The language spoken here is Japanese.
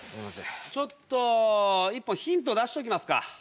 ちょっと１本ヒント出しときますか。